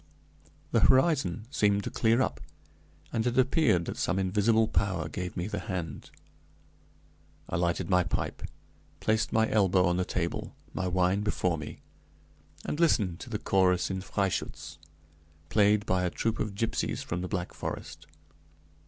The horizon seemed to clear up, and it appeared that some invisible power gave me the hand. I lighted my pipe, placed my elbow on the table, my wine before me, and listened to the chorus in "Freischütz," played by a troupe of gypsies from the Black Forest.